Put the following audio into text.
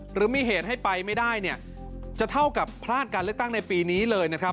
หรือมีเหตุให้ไปไม่ได้เนี่ยจะเท่ากับพลาดการเลือกตั้งในปีนี้เลยนะครับ